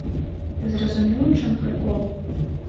Ты зразумеў, у чым прыкол?